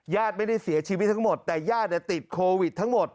ญาติไม่ได้เสียชีวิตทั้งหมดแต่ญาติติดโควิดทั้งหมด